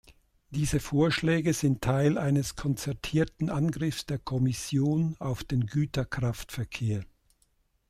Diese Vorschläge sind Teil eines konzertierten Angriffs der Kommission auf den Güterkraftverkehr.